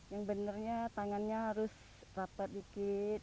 yang benarnya tangannya harus rapat dikit